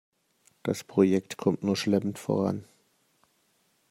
Das Projekt kommt nur schleppend voran.